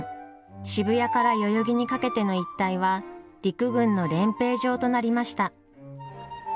渋谷から代々木にかけての一帯は陸軍の練兵場となりました。